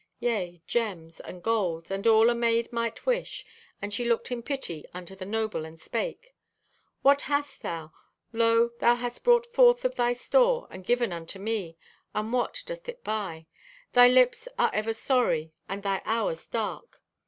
Yea, gems, and gold, and all a maid might wish, and she looked in pity unto the noble and spake: "'What hast thou? Lo, thou hast brought forth of thy store and given unto me, and what doth it buy? Thy lips are ever sorry and thy hours dark.